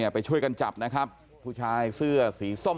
ไปช่วยกันจับนะครับผู้ชายเสื้อสีส้ม